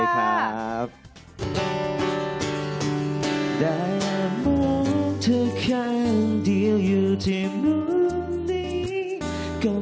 สวัสดีค่ะ